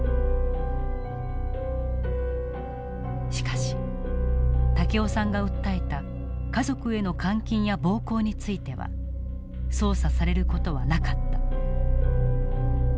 しかし武雄さんが訴えた家族への監禁や暴行については捜査される事はなかった。